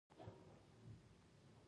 سلګونه کارګران د مجازاتو نندارې ته ولاړ وو